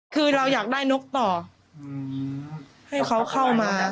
คือเราอยากได้นกต่อให้เขาเข้ามา